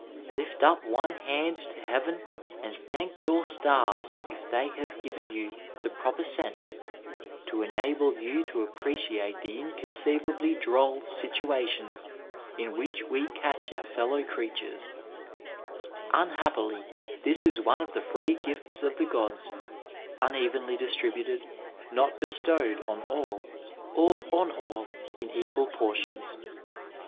Lift up one hand to heaven and thank your stars if they have 123 Digitized by VjOOQIC THE STUDENT LIFE given 70a the proper sense to enable 70a to i^predate the inconoeiyaU7 droll situations in whieh we catch our f eOow creatures. Unhappil7, this is one of the free gifts of the gods, unevenl7 distributed, not bestowed on all, or on all in equal portions.